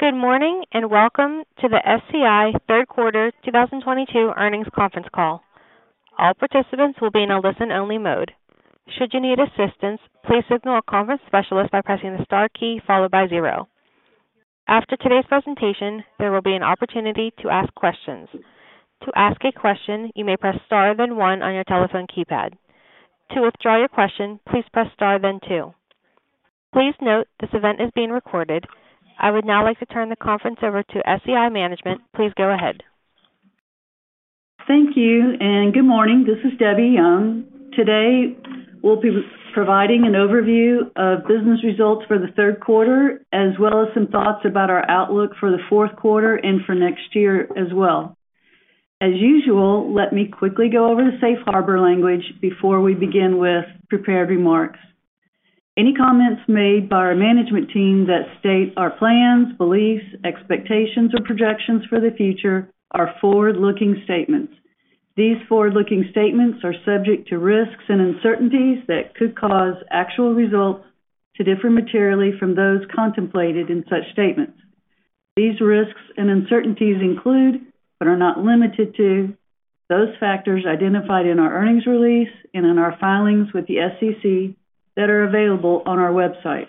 Good morning, and welcome to the SCI Third Quarter 2022 Earnings Conference Call. All participants will be in a listen-only mode. Should you need assistance, please signal a conference specialist by pressing the star key followed by zero. After today's presentation, there will be an opportunity to ask questions. To ask a question, you may press star, then one on your telephone keypad. To withdraw your question, please press star then two. Please note this event is being recorded. I would now like to turn the conference over to SCI Management. Please go ahead. Thank you and good morning. This is Debbie Young. Today, we'll be providing an overview of business results for the third quarter, as well as some thoughts about our outlook for the fourth quarter and for next year as well. As usual, let me quickly go over the safe harbor language before we begin with prepared remarks. Any comments made by our management team that state our plans, beliefs, expectations, or projections for the future are forward-looking statements. These forward-looking statements are subject to risks and uncertainties that could cause actual results to differ materially from those contemplated in such statements. These risks and uncertainties include, but are not limited to, those factors identified in our earnings release and in our filings with the SEC that are available on our website.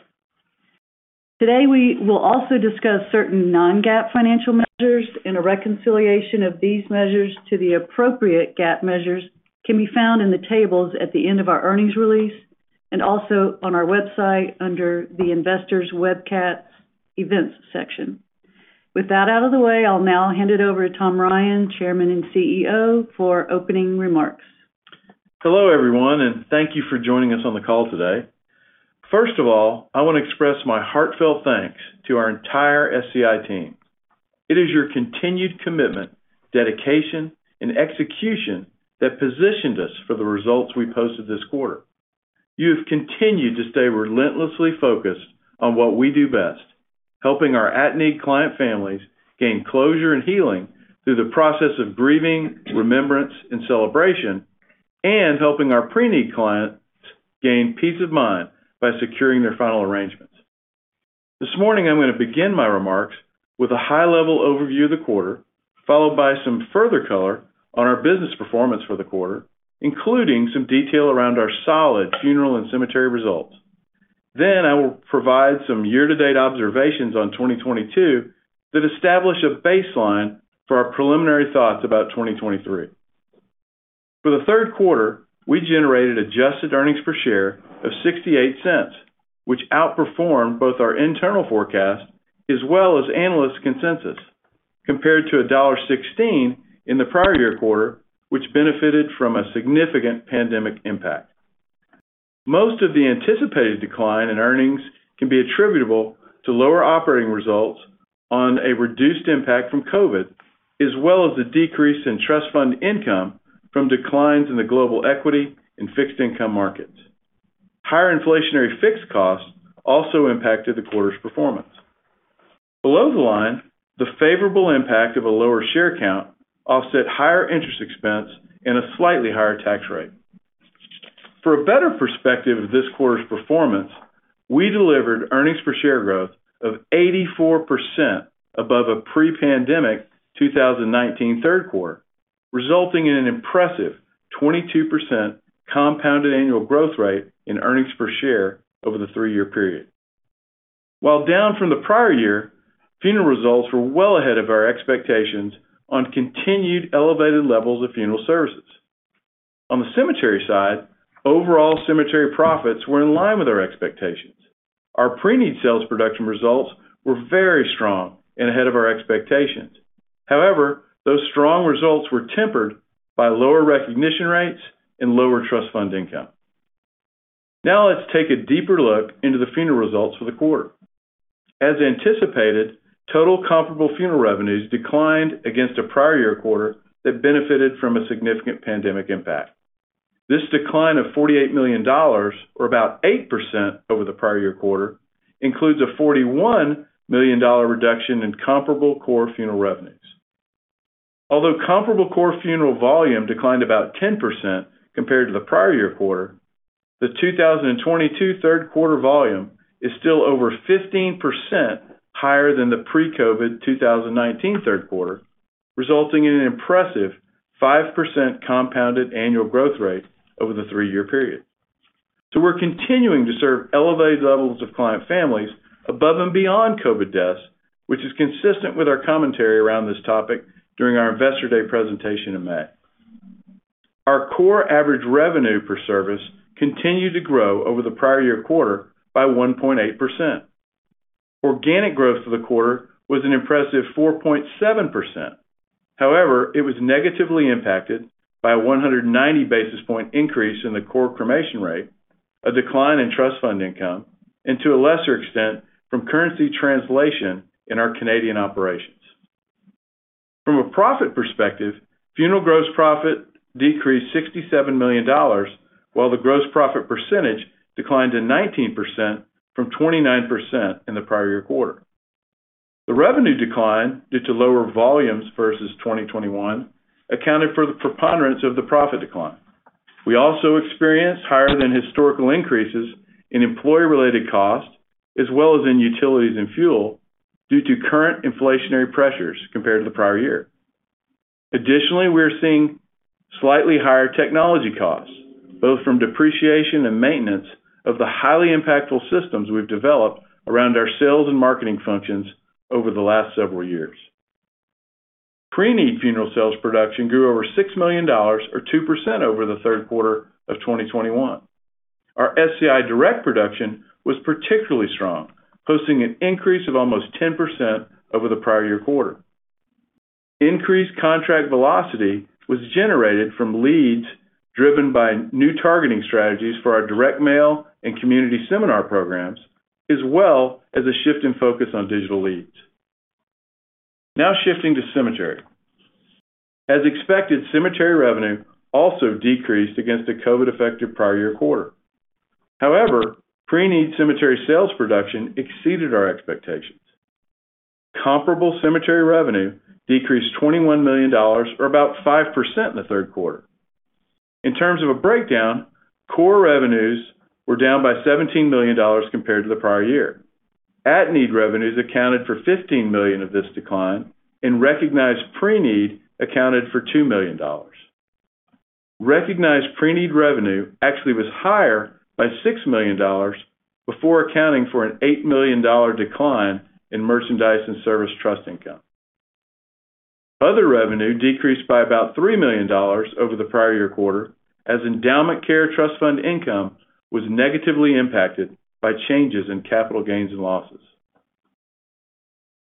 Today, we will also discuss certain non-GAAP financial measures, and a reconciliation of these measures to the appropriate GAAP measures can be found in the tables at the end of our earnings release and also on our website under the Investors Webcasts & Events section. With that out of the way, I'll now hand it over to Thomas Ryan, Chairman and CEO, for opening remarks. Hello, everyone, and thank you for joining us on the call today. First of all, I wanna express my heartfelt thanks to our entire SCI team. It is your continued commitment, dedication, and execution that positioned us for the results we posted this quarter. You have continued to stay relentlessly focused on what we do best, helping our at-need client families gain closure and healing through the process of grieving, remembrance, and celebration, and helping our pre-need clients gain peace of mind by securing their final arrangements. This morning, I'm gonna begin my remarks with a high-level overview of the quarter, followed by some further color on our business performance for the quarter, including some detail around our solid funeral and cemetery results. I will provide some year-to-date observations on 2022 that establish a baseline for our preliminary thoughts about 2023. For the third quarter, we generated adjusted earnings per share of $0.68, which outperformed both our internal forecast as well as analyst consensus, compared to $1.16 in the prior year quarter, which benefited from a significant pandemic impact. Most of the anticipated decline in earnings can be attributable to lower operating results on a reduced impact from COVID-19, as well as the decrease in trust fund income from declines in the global equity and fixed income markets. Higher inflationary fixed costs also impacted the quarter's performance. Below the line, the favorable impact of a lower share count offset higher interest expense and a slightly higher tax rate. For a better perspective of this quarter's performance, we delivered earnings per share growth of 84% above a pre-pandemic 2019 third quarter, resulting in an impressive 22% compounded annual growth rate in earnings per share over the 3-year period. While down from the prior year, funeral results were well ahead of our expectations on continued elevated levels of funeral services. On the cemetery side, overall cemetery profits were in line with our expectations. Our pre-need sales production results were very strong and ahead of our expectations. However, those strong results were tempered by lower recognition rates and lower trust fund income. Now, let's take a deeper look into the funeral results for the quarter. As anticipated, total comparable funeral revenues declined against a prior year quarter that benefited from a significant pandemic impact. This decline of $48 million or about 8% over the prior year quarter, includes a $41 million reduction in comparable core funeral revenues. Although comparable core funeral volume declined about 10% compared to the prior year quarter, the 2022 third quarter volume is still over 15% higher than the pre-COVID-19 2019 third quarter, resulting in an impressive 5% compounded annual growth rate over the three-year period. We're continuing to serve elevated levels of client families above and beyond COVID-19 deaths, which is consistent with our commentary around this topic during our Investor Day presentation in May. Our core average revenue per service continued to grow over the prior year quarter by 1.8%. Organic growth for the quarter was an impressive 4.7%. However, it was negatively impacted by a 190 basis point increase in the core cremation rate, a decline in trust fund income, and to a lesser extent, from currency translation in our Canadian operations. From a profit perspective, funeral gross profit decreased $67 million, while the gross profit percentage declined to 19% from 29% in the prior year quarter. The revenue decline due to lower volumes versus 2021 accounted for the preponderance of the profit decline. We also experienced higher than historical increases in employee-related costs, as well as in utilities and fuel due to current inflationary pressures compared to the prior year. Additionally, we're seeing slightly higher technology costs, both from depreciation and maintenance of the highly impactful systems we've developed around our sales and marketing functions over the last several years. Pre-need funeral sales production grew over $6 million or 2% over the third quarter of 2021. Our SCI Direct production was particularly strong, posting an increase of almost 10% over the prior year quarter. Increased contract velocity was generated from leads driven by new targeting strategies for our direct mail and community seminar programs, as well as a shift in focus on digital leads. Now shifting to cemetery. As expected, cemetery revenue also decreased against the COVID-19-affected prior year quarter. However, pre-need cemetery sales production exceeded our expectations. Comparable cemetery revenue decreased $21 million or about 5% in the third quarter. In terms of a breakdown, core revenues were down by $17 million compared to the prior year. At-need revenues accounted for $15 million of this decline, and recognized pre-need accounted for $2 million. Recognized pre-need revenue actually was higher by $6 million before accounting for an $8 million decline in merchandise and service trust income. Other revenue decreased by about $3 million over the prior year quarter as endowment care trust fund income was negatively impacted by changes in capital gains and losses.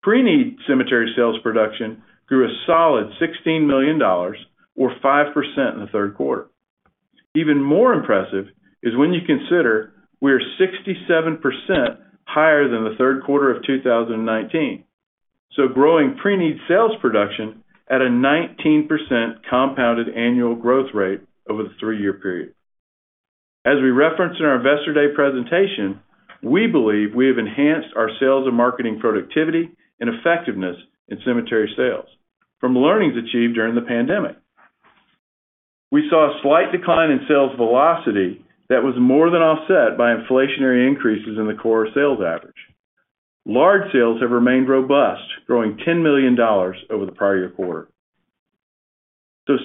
Pre-need cemetery sales production grew a solid $16 million or 5% in the third quarter. Even more impressive is when you consider we are 67% higher than the third quarter of 2019. Growing pre-need sales production at a 19% compounded annual growth rate over the 3-year period. As we referenced in our Investor Day presentation, we believe we have enhanced our sales and marketing productivity and effectiveness in cemetery sales from learnings achieved during the pandemic. We saw a slight decline in sales velocity that was more than offset by inflationary increases in the core sales average. Large sales have remained robust, growing $10 million over the prior year quarter.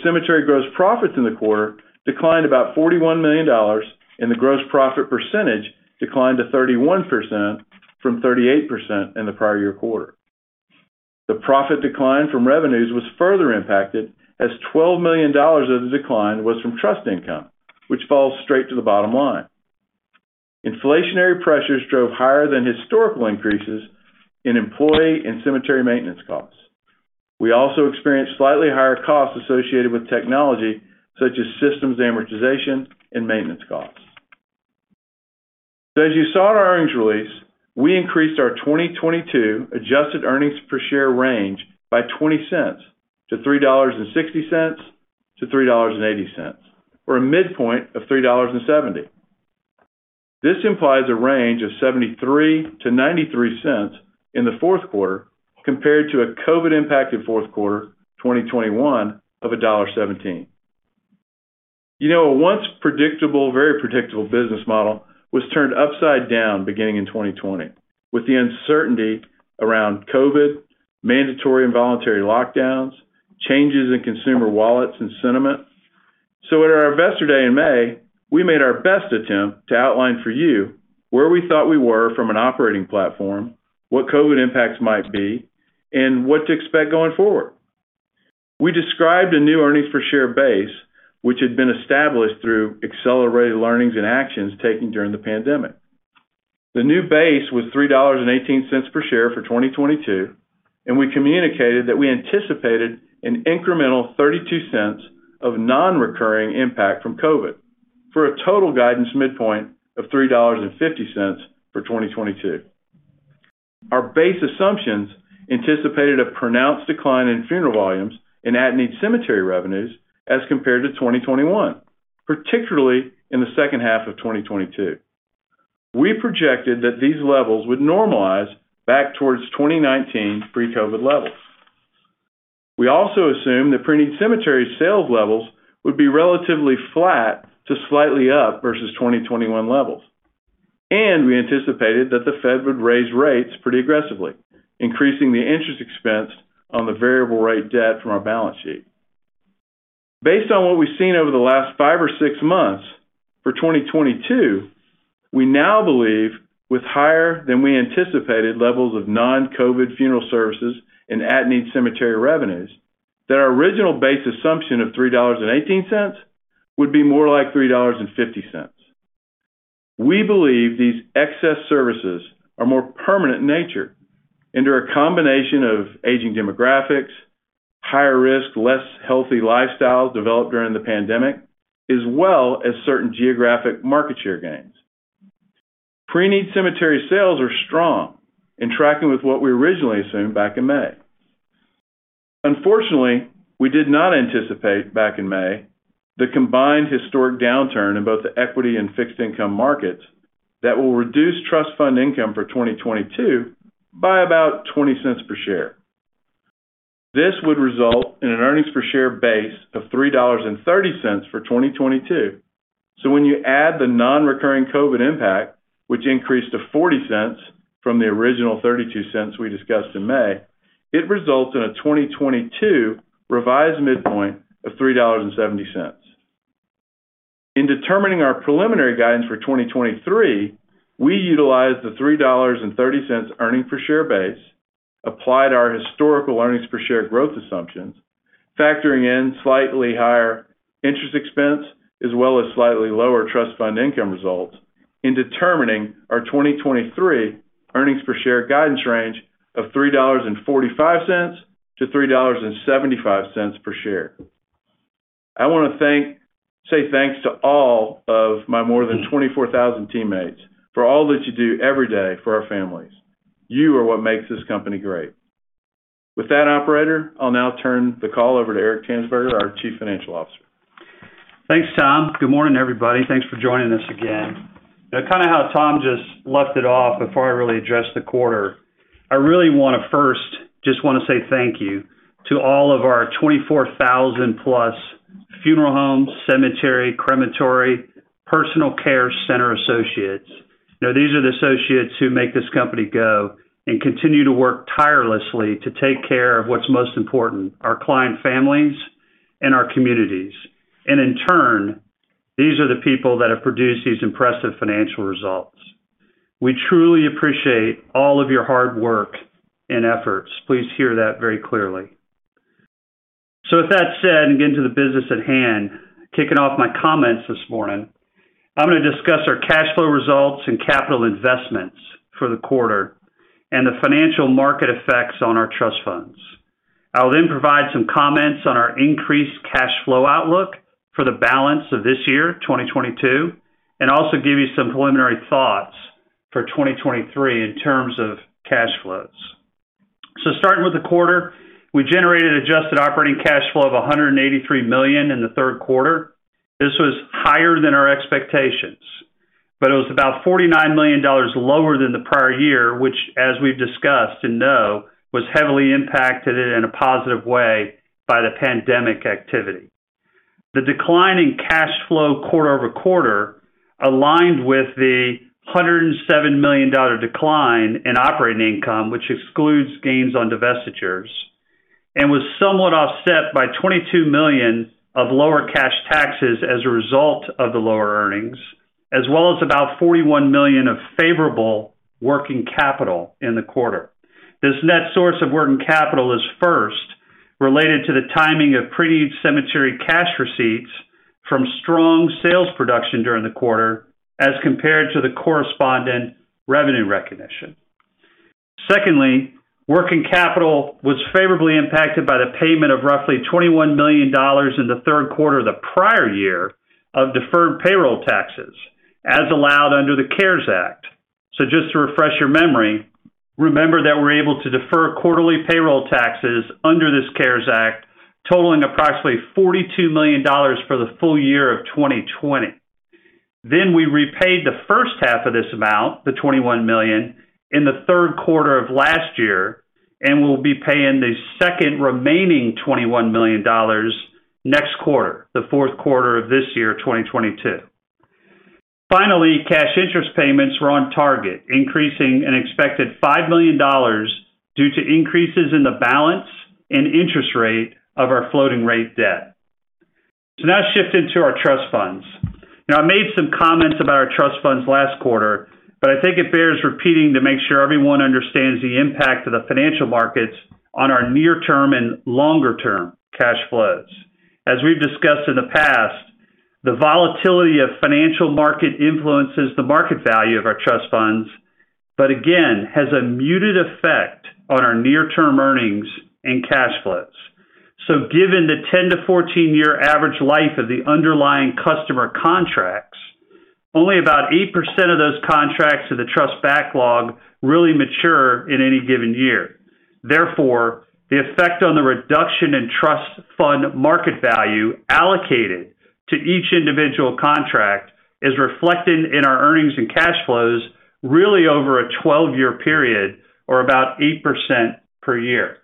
Cemetery gross profits in the quarter declined about $41 million, and the gross profit percentage declined to 31% from 38% in the prior year quarter. The profit decline from revenues was further impacted as $12 million of the decline was from trust income, which falls straight to the bottom line. Inflationary pressures drove higher than historical increases in employee and cemetery maintenance costs. We also experienced slightly higher costs associated with technology, such as systems amortization and maintenance costs. As you saw in our earnings release, we increased our 2022 adjusted earnings per share range by $0.20 to $3.60-$3.80, or a midpoint of $3.70. This implies a range of $0.73-$0.93 in the fourth quarter compared to a COVID-19-impacted fourth quarter 2021 of $1.17. You know, a once predictable, very predictable business model was turned upside down beginning in 2020 with the uncertainty around COVID-19, mandatory and voluntary lockdowns, changes in consumer wallets and sentiment. At our Investor Day in May, we made our best attempt to outline for you where we thought we were from an operating platform, what COVID-19 impacts might be, and what to expect going forward. We described a new earnings per share base, which had been established through accelerated learnings and actions taken during the pandemic. The new base was $3.18 per share for 2022, and we communicated that we anticipated an incremental $0.32 of non-recurring impact from COVID-19, for a total guidance midpoint of $3.50 for 2022. Our base assumptions anticipated a pronounced decline in funeral volumes and at-need cemetery revenues as compared to 2021, particularly in the second half of 2022. We projected that these levels would normalize back towards 2019 pre-COVID-19 levels. We also assumed that pre-need cemetery sales levels would be relatively flat to slightly up versus 2021 levels. We anticipated that the Fed would raise rates pretty aggressively, increasing the interest expense on the variable rate debt from our balance sheet. Based on what we've seen over the last five or six months, for 2022, we now believe with higher than we anticipated levels of non-COVID-19 funeral services and at-need cemetery revenues that our original base assumption of $3.18 would be more like $3.50. We believe these excess services are more permanent in nature and are a combination of aging demographics, higher risk, less healthy lifestyles developed during the pandemic, as well as certain geographic market share gains. Pre-need cemetery sales are strong in tracking with what we originally assumed back in May. Unfortunately, we did not anticipate back in May the combined historic downturn in both the equity and fixed income markets that will reduce trust fund income for 2022 by about $0.20 per share. This would result in an earnings per share base of $3.30 for 2022. When you add the non-recurring COVID-19 impact, which increased to $0.40 from the original $0.32 we discussed in May, it results in a 2022 revised midpoint of $3.70. In determining our preliminary guidance for 2023, we utilized the $3.30 earnings per share base, applied our historical earnings per share growth assumptions, factoring in slightly higher interest expense as well as slightly lower trust fund income results in determining our 2023 earnings per share guidance range of $3.45-$3.75 per share. I wanna say thanks to all of my more than 24,000 teammates for all that you do every day for our families. You are what makes this company great. With that, operator, I'll now turn the call over to Eric Tanzberger, our Chief Financial Officer. Thanks, Thomas. Good morning, everybody. Thanks for joining us again. Now, kind of how Thomas just left it off before I really address the quarter, I really wanna first just say thank you to all of our 24,000-plus funeral homes, cemetery, crematory, personal care center associates. You know, these are the associates who make this company go and continue to work tirelessly to take care of what's most important, our client families and our communities. In turn, these are the people that have produced these impressive financial results. We truly appreciate all of your hard work and efforts. Please hear that very clearly. With that said, and getting to the business at hand, kicking off my comments this morning, I'm gonna discuss our cash flow results and capital investments for the quarter and the financial market effects on our trust funds. I'll then provide some comments on our increased cash flow outlook for the balance of this year, 2022, and also give you some preliminary thoughts for 2023 in terms of cash flows. Starting with the quarter, we generated adjusted operating cash flow of $183 million in the third quarter. This was higher than our expectations, but it was about $49 million lower than the prior year, which as we've discussed and know, was heavily impacted in a positive way by the pandemic activity. The decline in cash flow quarter-over-quarter aligned with the $107 million decline in operating income, which excludes gains on divestitures and was somewhat offset by $22 million of lower cash taxes as a result of the lower earnings, as well as about $41 million of favorable working capital in the quarter. This net source of working capital is first related to the timing of preneed cemetery cash receipts from strong sales production during the quarter as compared to the corresponding revenue recognition. Secondly, working capital was favorably impacted by the payment of roughly $21 million in the third quarter of the prior year of deferred payroll taxes as allowed under the CARES Act. Just to refresh your memory, remember that we're able to defer quarterly payroll taxes under this CARES Act, totaling approximately $42 million for the full year of 2020. We repaid the first half of this amount, the $21 million, in the third quarter of last year, and we'll be paying the second remaining $21 million next quarter, the fourth quarter of this year, 2022. Finally, cash interest payments were on target, increasing an expected $5 million due to increases in the balance and interest rate of our floating rate debt. Now shifting to our trust funds. Now, I made some comments about our trust funds last quarter, but I think it bears repeating to make sure everyone understands the impact of the financial markets on our near-term and longer-term cash flows. As we've discussed in the past, the volatility of financial markets influences the market value of our trust funds, but again, has a muted effect on our near-term earnings and cash flows. Given the 10- to 14-year average life of the underlying customer contracts, only about 8% of those contracts in the trust backlog really mature in any given year. Therefore, the effect on the reduction in trust fund market value allocated to each individual contract is reflected in our earnings and cash flows really over a 12-year period or about 8% per year.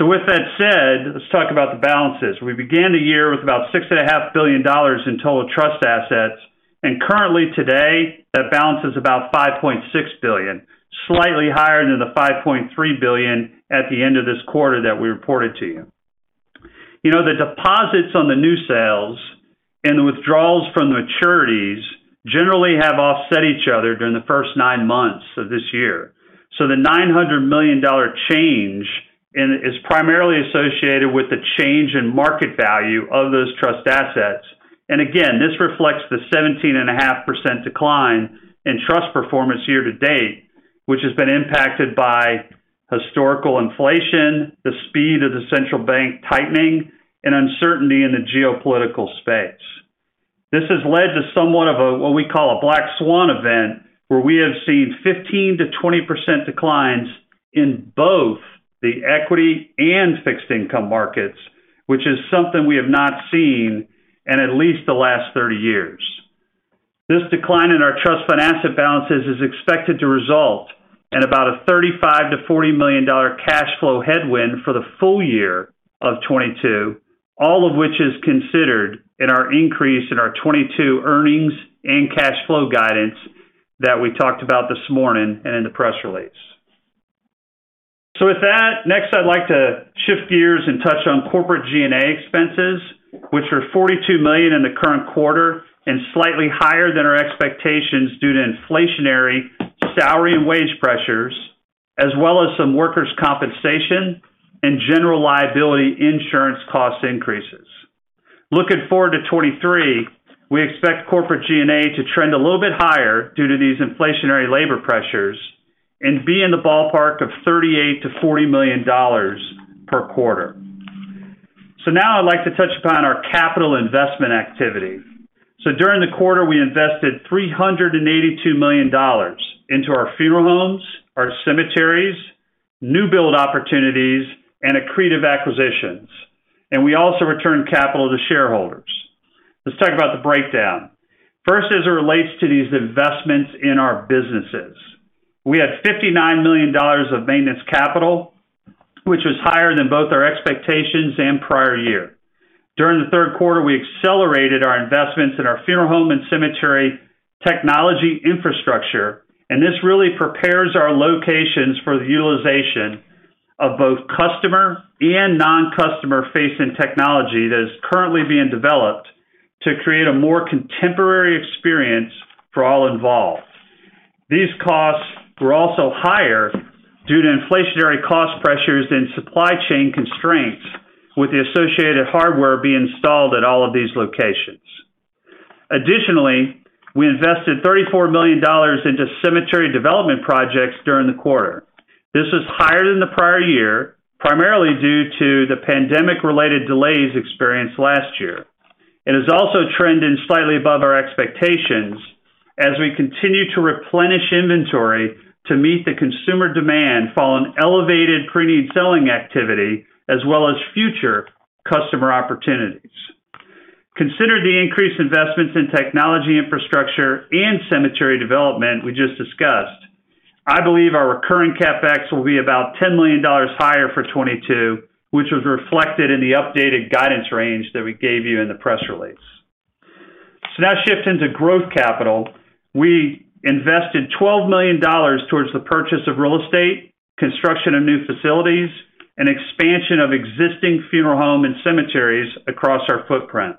With that said, let's talk about the balances. We began the year with about $6.5 billion in total trust assets, and currently today, that balance is about $5.6 billion, slightly higher than the $5.3 billion at the end of this quarter that we reported to you. You know, the deposits on the new sales and the withdrawals from the maturities generally have offset each other during the first 9 months of this year. The $900 million change is primarily associated with the change in market value of those trust assets. Again, this reflects the 17.5% decline in trust performance year to date, which has been impacted by historical inflation, the speed of the central bank tightening, and uncertainty in the geopolitical space. This has led to somewhat of a what we call a black swan event, where we have seen 15%-20% declines in both the equity and fixed income markets, which is something we have not seen in at least the last 30 years. This decline in our trust fund asset balances is expected to result in about a $35 million-$40 million cash flow headwind for the full year of 2022, all of which is considered in our increase in our 2022 earnings and cash flow guidance that we talked about this morning and in the press release. With that, next, I'd like to shift gears and touch on corporate G&A expenses, which were $42 million in the current quarter and slightly higher than our expectations due to inflationary salary and wage pressures, as well as some workers' compensation and general liability insurance cost increases. Looking forward to 2023, we expect corporate G&A to trend a little bit higher due to these inflationary labor pressures and be in the ballpark of $38 million-$40 million per quarter. Now I'd like to touch upon our capital investment activity. During the quarter, we invested $382 million into our funeral homes, our cemeteries, new build opportunities, and accretive acquisitions, and we also returned capital to shareholders. Let's talk about the breakdown. First, as it relates to these investments in our businesses. We had $59 million of maintenance capital, which was higher than both our expectations and prior year. During the third quarter, we accelerated our investments in our funeral home and cemetery technology infrastructure, and this really prepares our locations for the utilization of both cusThomaser and non-cusThomaser-facing technology that is currently being developed to create a more contemporary experience for all involved. These costs were also higher due to inflationary cost pressures and supply chain constraints, with the associated hardware being installed at all of these locations. Additionally, we invested $34 million into cemetery development projects during the quarter. This was higher than the prior year, primarily due to the pandemic-related delays experienced last year. It has also trended slightly above our expectations as we continue to replenish inventory to meet the consumer demand following elevated pre-need selling activity as well as future cusThomaser opportunities. Consider the increased investments in technology infrastructure and cemetery development we just discussed. I believe our recurring CapEx will be about $10 million higher for 2022, which was reflected in the updated guidance range that we gave you in the press release. Now shifting to growth capital. We invested $12 million towards the purchase of real estate, construction of new facilities, and expansion of existing funeral home and cemeteries across our footprint.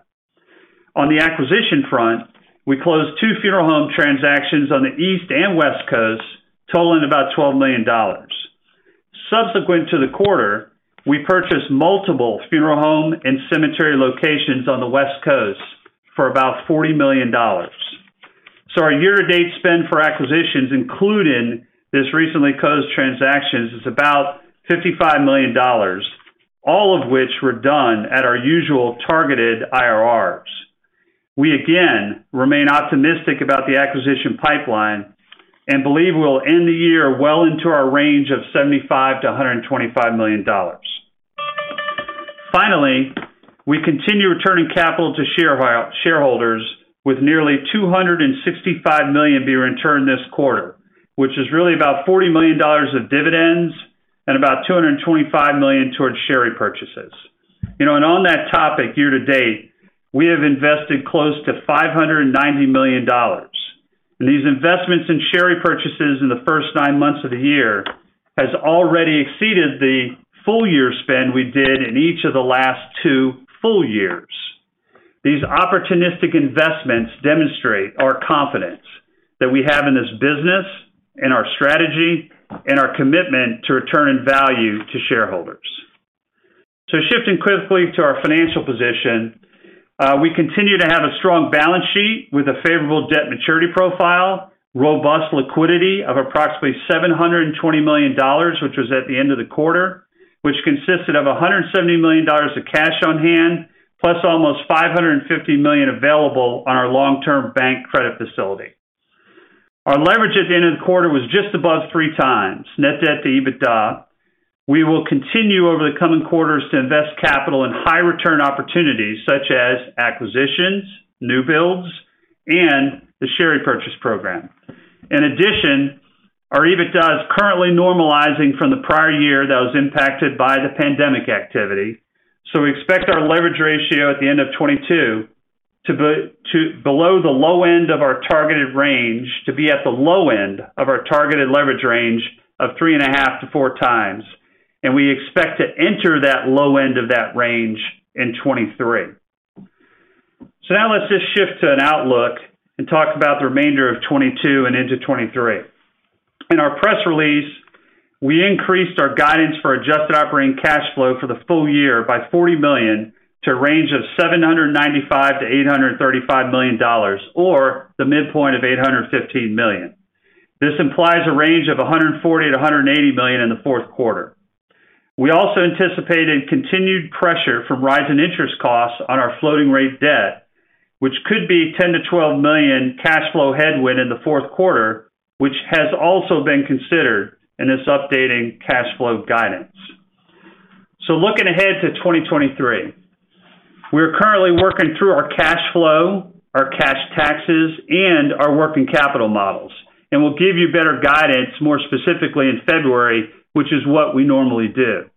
On the acquisition front, we closed two funeral home transactions on the East and West Coasts totaling about $12 million. Subsequent to the quarter, we purchased multiple funeral home and cemetery locations on the West Coast for about $40 million. Our year-to-date spend for acquisitions, including this recently closed transactions, is about $55 million, all of which were done at our usual targeted IRRs. We again remain optimistic about the acquisition pipeline and believe we'll end the year well into our range of $75 million-$125 million. Finally, we continue returning capital to shareholders with nearly $265 million being returned this quarter, which is really about $40 million of dividends and about $225 million towards share repurchases. You know, and on that topic, year-to-date, we have invested close to $590 million. These investments in share repurchases in the first nine months of the year has already exceeded the full-year spend we did in each of the last two full years. These opportunistic investments demonstrate our confidence that we have in this business, in our strategy, and our commitment to returning value to shareholders. Shifting quickly to our financial position. We continue to have a strong balance sheet with a favorable debt maturity profile, robust liquidity of approximately $720 million, which was at the end of the quarter, which consisted of $170 million of cash on hand, plus almost $550 million available on our long-term bank credit facility. Our leverage at the end of the quarter was just above 3x net debt to EBITDA. We will continue over the coming quarters to invest capital in high-return opportunities such as acquisitions, new builds, and the share repurchase program. In addition, our EBITDA is currently normalizing from the prior year that was impacted by the pandemic activity. We expect our leverage ratio at the end of 2022 to be at the low end of our targeted leverage range of 3.5-4x, and we expect to enter that low end of that range in 2023. Now let's just shift to an outlook and talk about the remainder of 2022 and into 2023. In our press release, we increased our guidance for adjusted operating cash flow for the full year by $40 million to a range of $795 million-$835 million or the midpoint of $815 million. This implies a range of $140 million-$180 million in the fourth quarter. We also anticipated continued pressure from rising interest costs on our floating rate debt, which could be $10 million-$12 million cash flow headwind in the fourth quarter, which has also been considered in this updating cash flow guidance. Looking ahead to 2023, we are currently working through our cash flow, our cash taxes, and our working capital models, and we'll give you better guidance more specifically in February, which is what we normally do.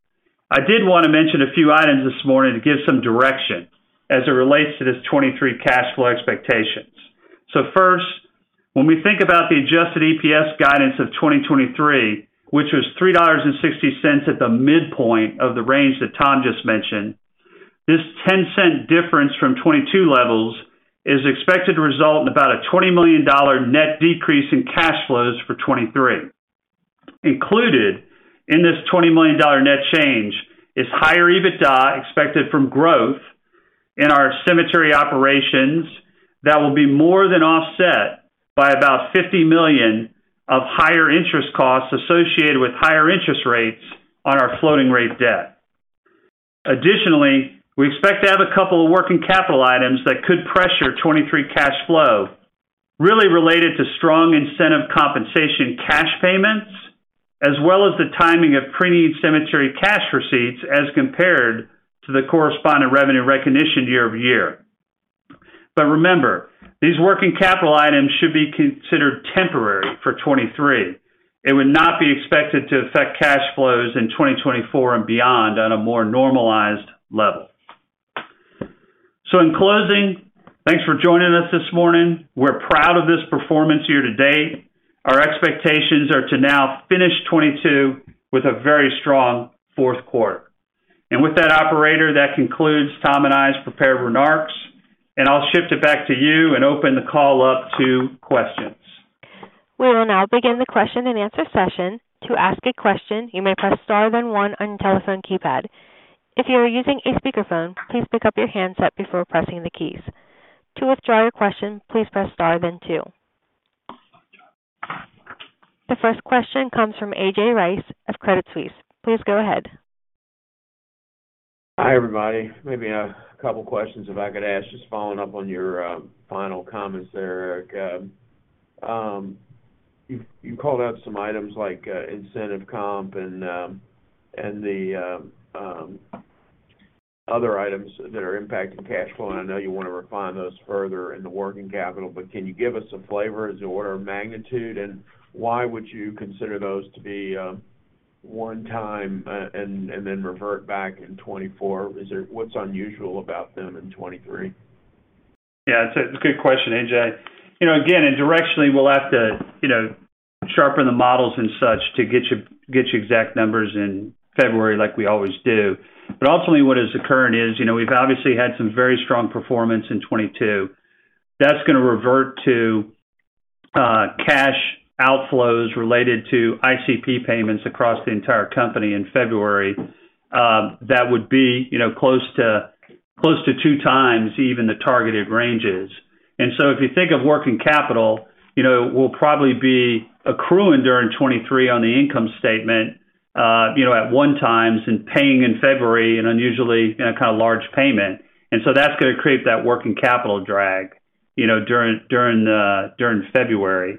I did want to mention a few items this morning to give some direction as it relates to this 2023 cash flow expectations. First, when we think about the adjusted EPS guidance of 2023, which was $3.60 at the midpoint of the range that Thomas just mentioned, this $0.10 difference from 2022 levels is expected to result in about a $20 million net decrease in cash flows for 2023. Included in this $20 million net change is higher EBITDA expected from growth in our cemetery operations that will be more than offset by about $50 million of higher interest costs associated with higher interest rates on our floating rate debt. Additionally, we expect to have a couple of working capital items that could pressure 2023 cash flow really related to strong incentive compensation cash payments, as well as the timing of preneed cemetery cash receipts as compared to the corresponding revenue recognition year-over-year. Remember, these working capital items should be considered temporary for 2023. It would not be expected to affect cash flows in 2024 and beyond on a more normalized level. In closing, thanks for joining us this morning. We're proud of this performance year to date. Our expectations are to now finish 2022 with a very strong fourth quarter. With that, operator, that concludes Thomas and I's prepared remarks, and I'll shift it back to you and open the call up to questions. We will now begin the question-and-answer session. To ask a question, you may press star then one on your telephone keypad. If you are using a speakerphone, please pick up your handset before pressing the keys. To withdraw your question, please press star then two. The first question comes from A.J. Rice of Credit Suisse. Please go ahead. Hi, everybody. Maybe a couple questions, if I could ask, just following up on your final comments there, Eric. You called out some items like incentive comp and the other items that are impacting cash flow, and I know you want to refine those further in the working capital, but can you give us a flavor as to order of magnitude, and why would you consider those to be one time and then revert back in 2024? What's unusual about them in 2023? Yeah, it's a good question, A.J. You know, again, directionally, we'll have to, you know, sharpen the models and such to get you exact numbers in February like we always do. Ultimately, what is occurring is, you know, we've obviously had some very strong performance in 2022. That's gonna revert to cash outflows related to ICP payments across the entire company in February, that would be, you know, close to 2x even the targeted ranges. If you think of working capital, you know, we'll probably be accruing during 2023 on the income statement, you know, at 1x and paying in February an unusually, you know, kind of large payment. That's gonna create that working capital drag, you know, during February.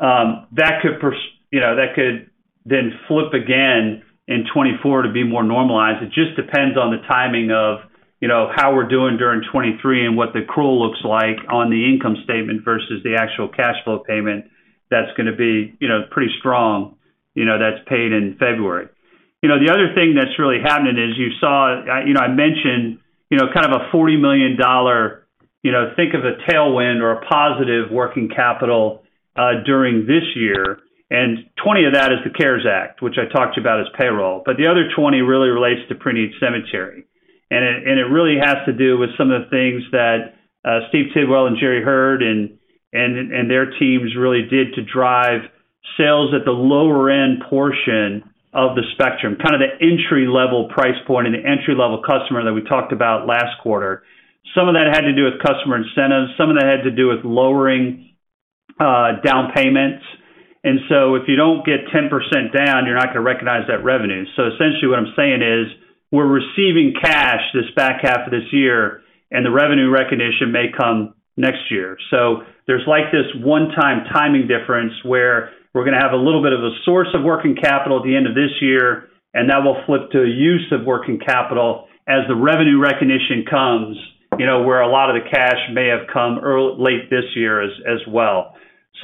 That could then flip again in 2024 to be more normalized. It just depends on the timing of, you know, how we're doing during 2023 and what the accrual looks like on the income statement versus the actual cash flow payment that's gonna be, you know, pretty strong, you know, that's paid in February. You know, the other thing that's really happening is you saw, you know, I mentioned, you know, kind of a $40 million, you know, think of a tailwind or a positive working capital, during this year, and $20 million of that is the CARES Act, which I talked about as payroll. The other $20 million really relates to preneed cemetery. It really has to do with some of the things that Steve Tidwell and Jerry Heard and their teams really did to drive sales at the lower end portion of the spectrum, kind of the entry-level price point and the entry-level cusThomaser that we talked about last quarter. Some of that had to do with cusThomaser incentives. Some of that had to do with lowering down payments. If you don't get 10% down, you're not gonna recognize that revenue. Essentially what I'm saying is we're receiving cash this back half of this year, and the revenue recognition may come next year. There's like this one-time timing difference, where we're gonna have a little bit of a source of working capital at the end of this year, and that will flip to use of working capital as the revenue recognition comes, you know, where a lot of the cash may have come late this year as well.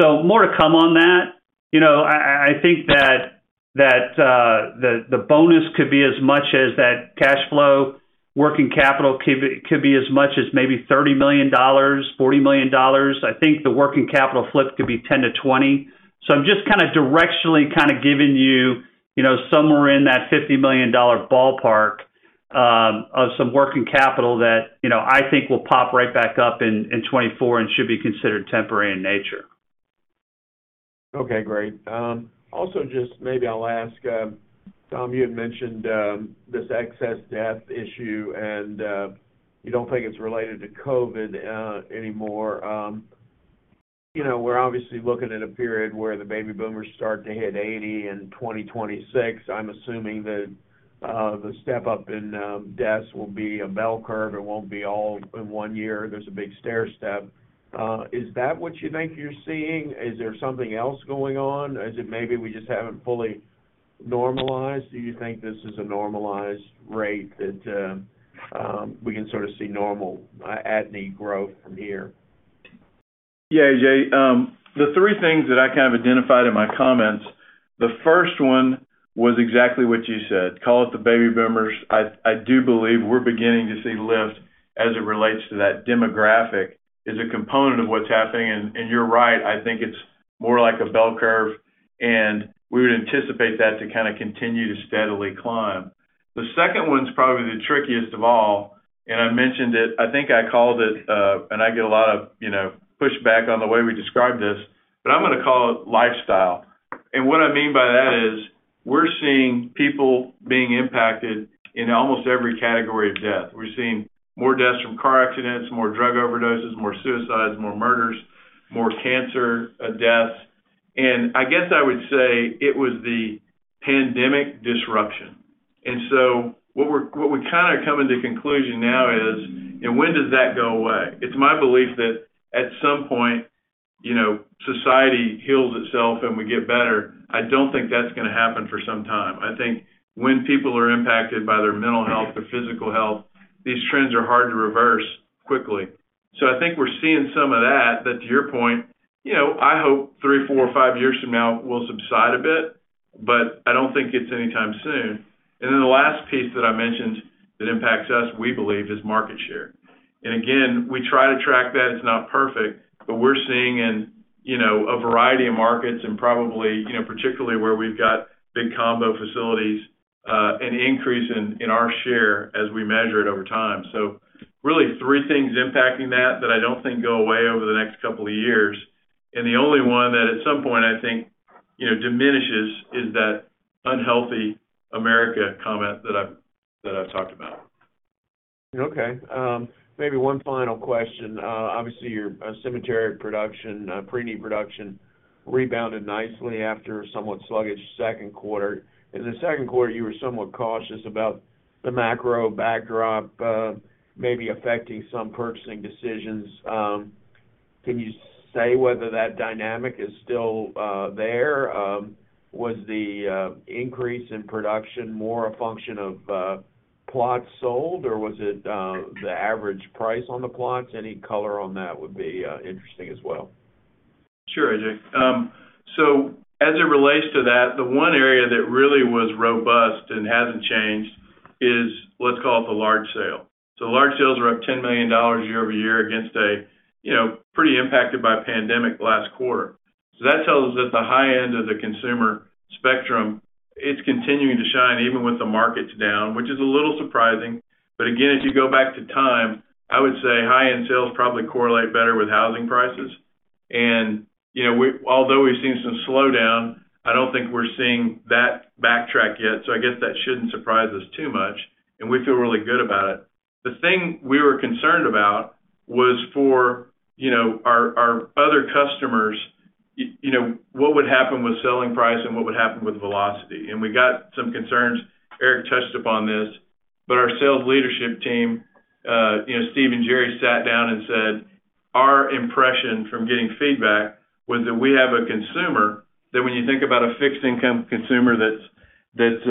More to come on that. I think that the bonus could be as much as that cash flow working capital could be as much as maybe $30 million, $40 million. I think the working capital flip could be $10 million-$20 million. I'm just kinda directionally giving you know, somewhere in that $50 million ballpark of some working capital that, you know, I think will pop right back up in 2024 and should be considered temporary in nature. Okay, great. Also, just maybe I'll ask, Thomas, you had mentioned this excess death issue, and you don't think it's related to COVID-19 anymore. You know, we're obviously looking at a period where the baby boomers start to hit 80 in 2026. I'm assuming that the step-up in deaths will be a bell curve. It won't be all in one year. There's a big stairstep. Is that what you think you're seeing? Is there something else going on? Is it maybe we just haven't fully normalized? Do you think this is a normalized rate that we can sort of see normal at-need growth from here? Yeah, A.J., the three things that I kind of identified in my comments, the first one was exactly what you said, call it the baby boomers. I do believe we're beginning to see lift as it relates to that demographic, is a component of what's happening. You're right, I think it's more like a bell curve, and we would anticipate that to kind of continue to steadily climb. The second one is probably the trickiest of all, and I mentioned it. I think I called it a, and I get a lot of, you know, pushback on the way we describe this, but I'm gonna call it lifestyle. What I mean by that is we're seeing people being impacted in almost every category of death. We're seeing more deaths from car accidents, more drug overdoses, more suicides, more murders, more cancer deaths. I guess I would say it was the pandemic disruption. What we're kind of coming to conclusion now is, and when does that go away? It's my belief that at some point, you know, society heals itself, and we get better. I don't think that's gonna happen for some time. I think when people are impacted by their mental health or physical health, these trends are hard to reverse quickly. I think we're seeing some of that. To your point, you know, I hope three, four, five years from now will subside a bit, but I don't think it's anytime soon. The last piece that I mentioned that impacts us, we believe, is market share. Again, we try to track that. It's not perfect, but we're seeing in, you know, a variety of markets and probably, you know, particularly where we've got big combo facilities, an increase in our share as we measure it over time. So really three things impacting that I don't think go away over the next couple of years. The only one that at some point, I think, you know, diminishes, is that unhealthy America comment that I've talked about. Okay. Maybe one final question. Obviously, your cemetery production, pre-need production rebounded nicely after a somewhat sluggish second quarter. In the second quarter, you were somewhat cautious about the macro backdrop, maybe affecting some purchasing decisions. Can you say whether that dynamic is still there? Was the increase in production more a function of plots sold, or was it the average price on the plots? Any color on that would be interesting as well. Sure, A.J. as it relates to that, the one area that really was robust and hasn't changed is let's call it the large sale. Large sales are up $10 million year-over-year against a, you know, pretty impacted by pandemic last quarter. That tells us at the high end of the consumer spectrum, it's continuing to shine even with the markets down, which is a little surprising. Again, as you go back to time, I would say high-end sales probably correlate better with housing prices. You know, although we've seen some slowdown, I don't think we're seeing that backtrack yet, so I guess that shouldn't surprise us too much, and we feel really good about it. The thing we were concerned about was for, you know, our other customers, you know, what would happen with selling price and what would happen with velocity. We got some concerns. Eric touched upon this. Our sales leadership team, you know, Steve and Jerry sat down and said, "Our impression from getting feedback was that we have a consumer that when you think about a fixed-income consumer that's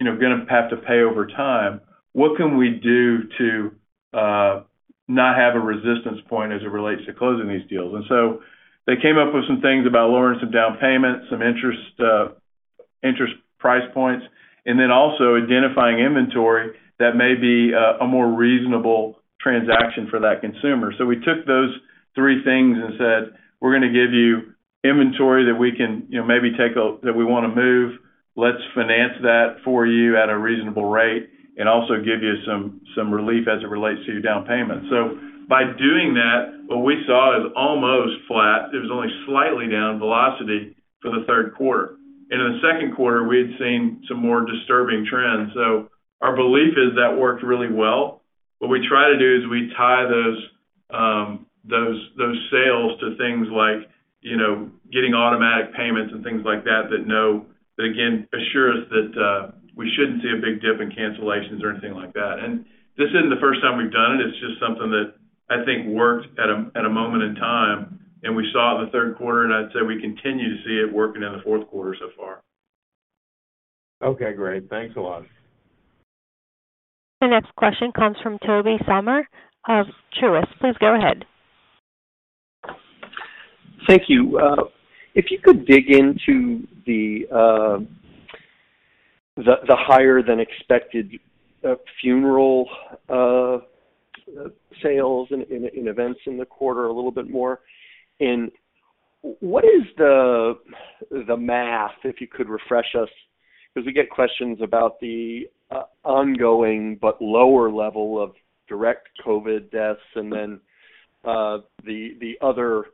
you know gonna have to pay over time, what can we do to not have a resistance point as it relates to closing these deals?" They came up with some things about lowering some down payments, some interest price points, and then also identifying inventory that may be a more reasonable transaction for that consumer. We took those three things and said, "We're gonna give you inventory that we can, you know, that we wanna move. Let's finance that for you at a reasonable rate and also give you some relief as it relates to your down payment." By doing that, what we saw is almost flat. It was only slightly down velocity for the third quarter. In the second quarter, we had seen some more disturbing trends. Our belief is that worked really well. What we try to do is we tie those sales to things like, you know, getting automatic payments and things like that again, assure us that we shouldn't see a big dip in cancellations or anything like that. This isn't the first time we've done it. It's just something that I think worked at a moment in time, and we saw it in the third quarter, and I'd say we continue to see it working in the fourth quarter so far. Okay, great. Thanks a lot. The next question comes from Tobey Sommer of Truist. Please go ahead. Thank you. If you could dig into the higher than expected funeral sales and events in the quarter a little bit more. What is the math, if you could refresh us? Because we get questions about the ongoing but lower level of direct COVID-19 deaths and then the other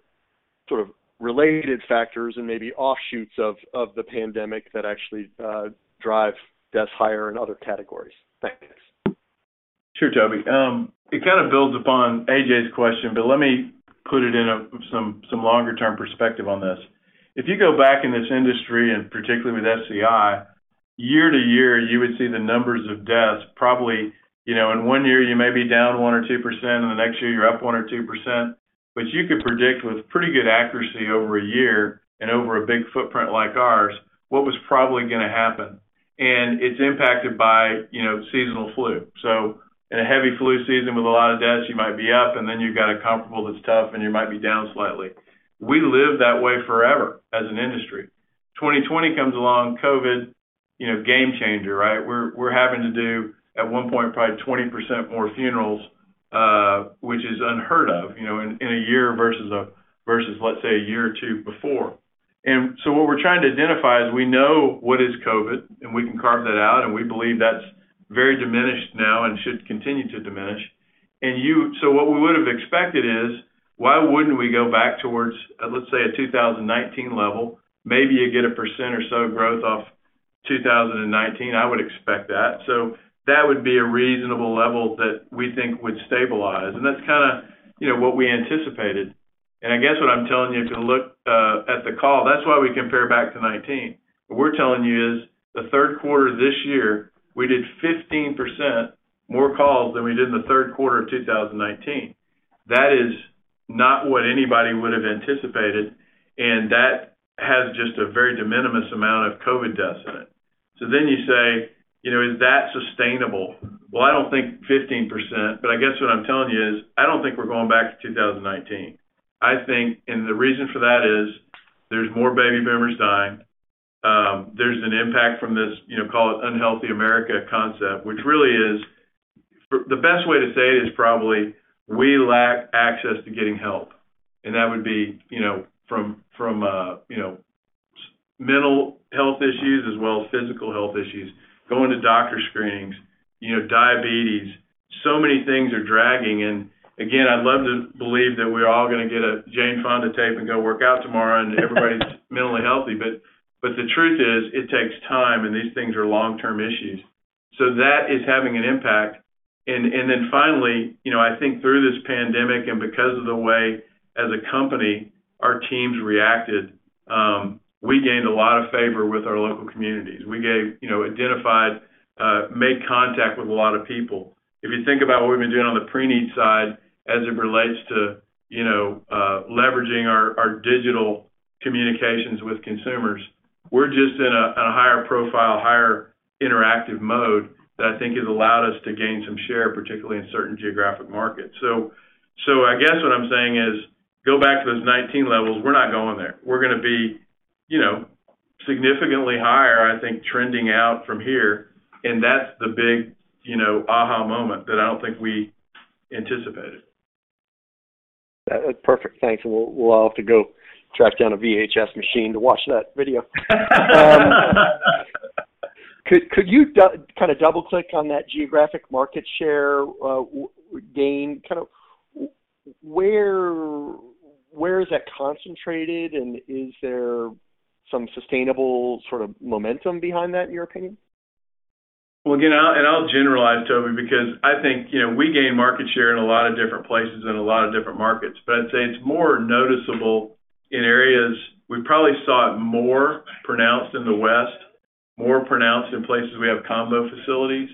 sort of related factors and maybe offshoots of the pandemic that actually drive deaths higher in other categories. Thanks. Sure, Tobey. It kind of builds upon AJ's question, but let me put it in some longer-term perspective on this. If you go back in this industry, and particularly with SCI, year to year, you would see the numbers of deaths probably, you know, in one year, you may be down 1% or 2%, and the next year you're up 1% or 2%. You could predict with pretty good accuracy over a year and over a big footprint like ours, what was probably gonna happen. It's impacted by, you know, seasonal flu. In a heavy flu season with a lot of deaths, you might be up, and then you've got a comparable that's tough, and you might be down slightly. We lived that way forever as an industry. 2020 comes along, COVID-19, you know, game changer, right? We're having to do, at one point, probably 20% more funerals, which is unheard of, you know, in a year versus, let's say, a year or two before. What we're trying to identify is we know what is COVID-19, and we can carve that out, and we believe that's very diminished now and should continue to diminish. What we would have expected is, why wouldn't we go back towards, let's say, a 2019 level? Maybe you get 1% or so growth off 2019. I would expect that. That would be a reasonable level that we think would stabilize. That's kinda, you know, what we anticipated. I guess what I'm telling you to look at the call, that's why we compare back to 2019. What we're telling you is the third quarter this year, we did 15% more calls than we did in the third quarter of 2019. That is not what anybody would have anticipated, and that has just a very de minimis amount of COVID-19 deaths in it. You say, you know, is that sustainable? Well, I don't think 15%, but I guess what I'm telling you is I don't think we're going back to 2019. I think, and the reason for that is there's more baby boomers dying. There's an impact from this, you know, call it unhealthy America concept, which really is the best way to say it is probably we lack access to getting help. That would be, you know, from a, you know, mental health issues as well as physical health issues, going to doctor screenings, you know, diabetes. Many things are dragging. Again, I'd love to believe that we're all gonna get a Jane Fonda tape and go work out tomorrow, and everybody's mentally healthy. But the truth is, it takes time, and these things are long-term issues. That is having an impact. Then finally, you know, I think through this pandemic and because of the way as a company our teams reacted, we gained a lot of favor with our local communities. We gave, you know, identified, made contact with a lot of people. If you think about what we've been doing on the pre-need side as it relates to, you know, leveraging our digital communications with consumers, we're just in a on a higher profile, higher interactive mode that I think has allowed us to gain some share, particularly in certain geographic markets. So I guess what I'm saying is go back to those 2019 levels, we're not going there. We're gonna be, you know, significantly higher, I think trending out from here. That's the big, you know, aha moment that I don't think we anticipated. That was perfect. Thanks. We'll have to go track down a VHS machine to watch that video. Could you kinda double-click on that geographic market share gain? Kind of where is that concentrated, and is there some sustainable sort of momentum behind that in your opinion? I'll generalize, Tobey, because I think, you know, we gain market share in a lot of different places in a lot of different markets. I'd say it's more noticeable in areas we probably saw it more pronounced in the West, more pronounced in places we have combo facilities.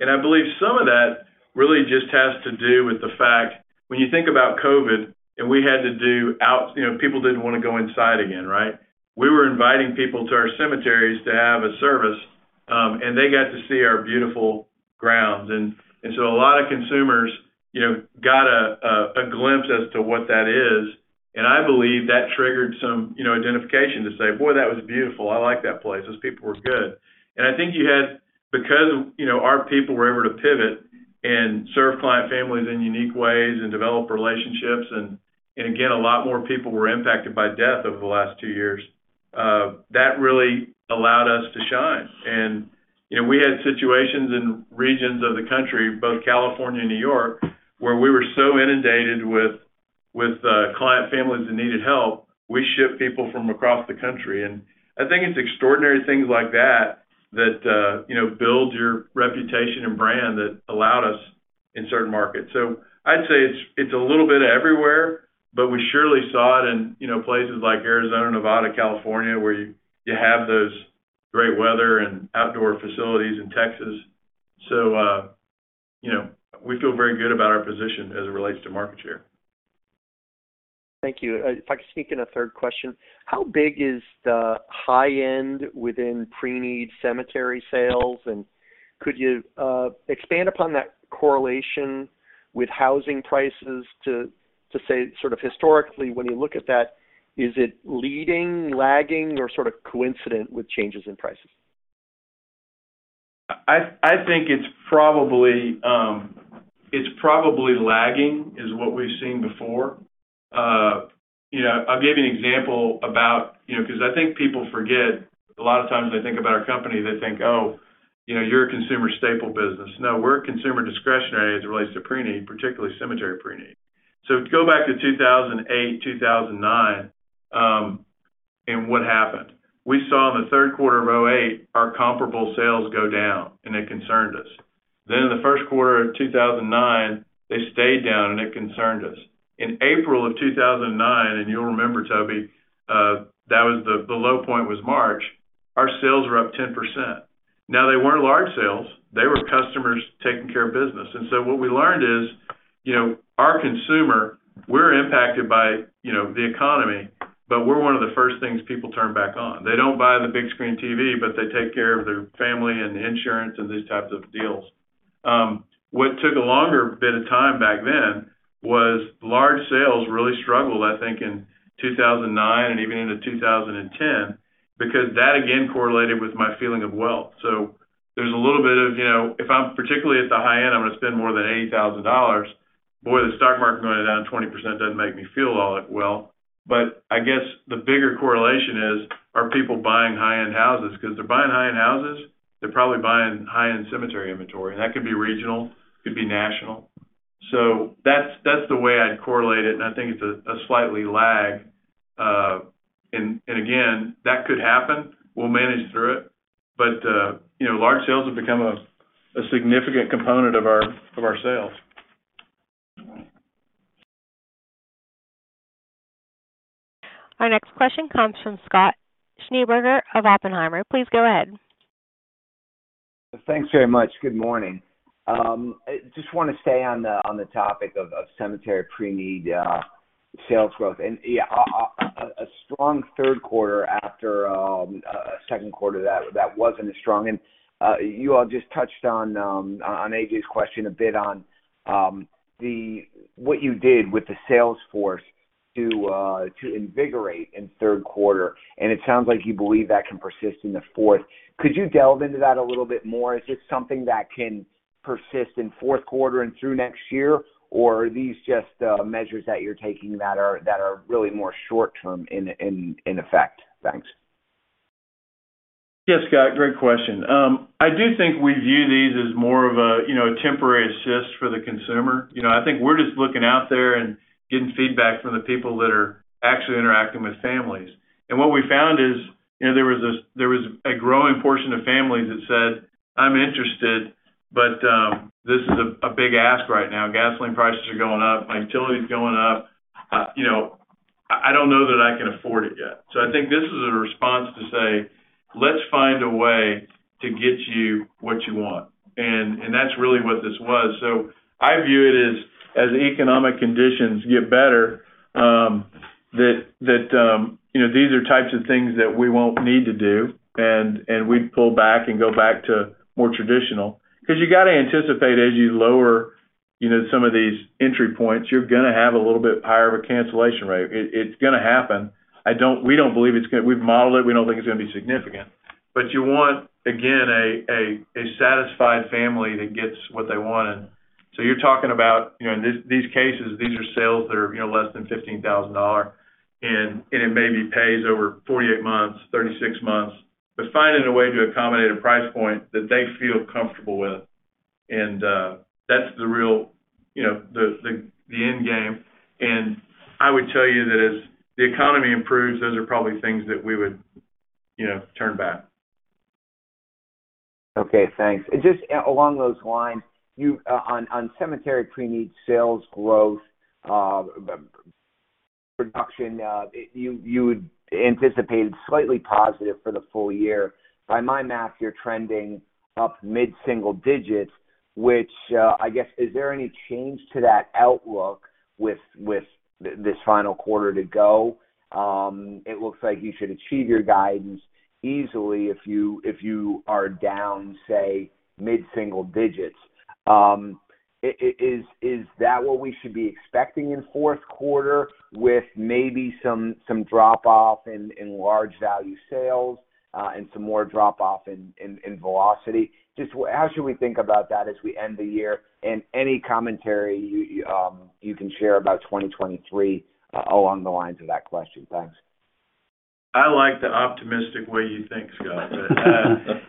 I believe some of that really just has to do with the fact when you think about COVID-19. People didn't wanna go inside again, right? We were inviting people to our cemeteries to have a service, and they got to see our beautiful grounds. A lot of consumers, you know, got a glimpse as to what that is. I believe that triggered some identification to say, "Boy, that was beautiful. I like that place. Those people were good. I think you know, our people were able to pivot and serve client families in unique ways and develop relationships, and again, a lot more people were impacted by death over the last two years that really allowed us to shine. You know, we had situations in regions of the country, both California and New York, where we were so inundated with client families that needed help, we ship people from across the country. I think it's extraordinary things like that you know, build your reputation and brand that allowed us in certain markets. I'd say it's a little bit everywhere, but we surely saw it in you know, places like Arizona, Nevada, California, where you have those great weather and outdoor facilities in Texas. you know, we feel very good about our position as it relates to market share. Thank you. If I could sneak in a third question. How big is the high end within pre-need cemetery sales? Could you expand upon that correlation with housing prices to say sort of historically, when you look at that, is it leading, lagging or sort of coincident with changes in prices? I think it's probably lagging is what we've seen before. You know, I'll give you an example about, you know, because I think people forget, a lot of times they think about our company, they think, oh, you know, you're a consumer staple business. No, we're a consumer discretionary as it relates to pre-need, particularly cemetery pre-need. Go back to 2008, 2009, and what happened? We saw in the third quarter of 2008 our comparable sales go down, and it concerned us. In the first quarter of 2009, they stayed down, and it concerned us. In April of 2009, and you'll remember, Tobey, that was the low point was March, our sales were up 10%. Now they weren't large sales. They were cusThomasers taking care of business. What we learned is, you know, our consumer, we're impacted by, you know, the economy, but we're one of the first things people turn back on. They don't buy the big screen TV, but they take care of their family and insurance and these types of deals. What took a longer bit of time back then was large sales really struggled, I think, in 2009 and even into 2010, because that again correlated with my feeling of wealth. There's a little bit of, you know, if I'm particularly at the high end, I'm gonna spend more than $80,000. Boy, the stock market going down 20% doesn't make me feel all that well. But I guess the bigger correlation is, are people buying high-end houses? Because if they're buying high-end houses, they're probably buying high-end cemetery inventory. That could be regional, could be national. That's the way I'd correlate it, and I think it's a slight lag. Again, that could happen. We'll manage through it. You know, large sales have become a significant component of our sales. Our next question comes from Scott Schneeberger of Oppenheimer. Please go ahead. Thanks very much. Good morning. I just wanna stay on the topic of cemetery pre-need sales growth. Yeah, a strong third quarter after a second quarter that wasn't as strong. You all just touched on AJ's question a bit on what you did with the sales force to invigorate in third quarter, and it sounds like you believe that can persist into fourth. Could you delve into that a little bit more? Is this something that can persist in fourth quarter and through next year? Or are these just measures that you're taking that are really more short-term in effect? Thanks. Yes, Scott. Great question. I do think we view these as more of a, you know, temporary assist for the consumer. You know, I think we're just looking out there and getting feedback from the people that are actually interacting with families. What we found is, you know, there was a growing portion of families that said, "I'm interested, but this is a big ask right now. Gasoline prices are going up. My utility is going up. You know, I don't know that I can afford it yet." I think this is a response to say, "Let's find a way to get you what you want." That's really what this was. I view it as economic conditions get better, you know, these are types of things that we won't need to do, and we'd pull back and go back to more traditional. 'Cause you gotta anticipate as you lower, you know, some of these entry points, you're gonna have a little bit higher of a cancellation rate. It's gonna happen. We don't believe it's gonna be significant. We've modeled it, we don't think it's gonna be significant. But you want, again, a satisfied family that gets what they wanted. You're talking about, you know, in these cases, these are sales that are, you know, less than $15,000. It maybe pays over 48 months, 36 months. Finding a way to accommodate a price point that they feel comfortable with, and, that's the real, you know, the endgame. I would tell you that as the economy improves, those are probably things that we would, you know, turn back. Okay. Thanks. Just along those lines, on cemetery pre-need sales growth production, you had anticipated slightly positive for the full year. By my math, you're trending up mid-single digits, which I guess is there any change to that outlook with this final quarter to go? It looks like you should achieve your guidance easily if you are down, say, mid-single digits. Is that what we should be expecting in fourth quarter with maybe some drop off in large value sales and some more drop off in velocity? Just how should we think about that as we end the year? Any commentary you can share about 2023 along the lines of that question. Thanks. I like the optimistic way you think, Scott. I think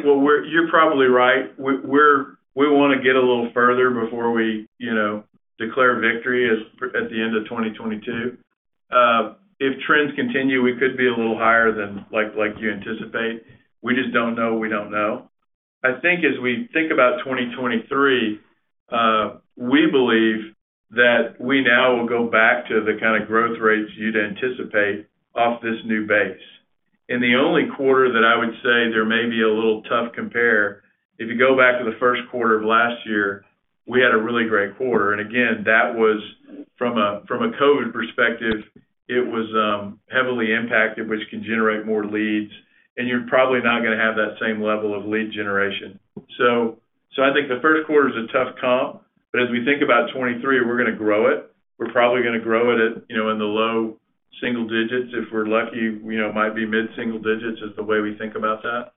you're probably right. We wanna get a little further before we, you know, declare victory at the end of 2022. If trends continue, we could be a little higher than you anticipate. We just don't know what we don't know. I think as we think about 2023, we believe that we now will go back to the kinda growth rates you'd anticipate off this new base. The only quarter that I would say there may be a little tough compare if you go back to the first quarter of last year. We had a really great quarter. Again, that was from a COVID-19 perspective, it was heavily impacted, which can generate more leads, and you're probably not gonna have that same level of lead generation. So I think the first quarter is a tough comp, but as we think about 2023, we're gonna grow it. We're probably gonna grow it at, you know, in the low single digits%. If we're lucky, you know, it might be mid-single digits% is the way we think about that.